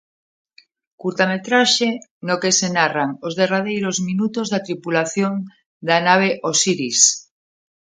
Curtametraxe no que se narran os derradeiros minutos da tripulación da nave Osiris.